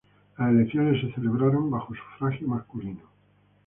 Las elecciones se celebraron bajo sufragio masculino.